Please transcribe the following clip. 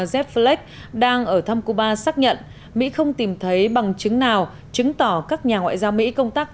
zef fleck đang ở thăm cuba xác nhận mỹ không tìm thấy bằng chứng nào chứng tỏ các nhà ngoại giao mỹ công tác